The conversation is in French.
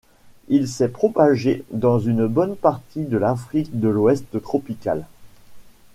Il s'est propagé dans une bonne partie de l'Afrique de l'ouest tropicale.